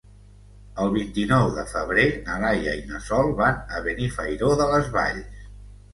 El vint-i-nou de febrer na Laia i na Sol van a Benifairó de les Valls.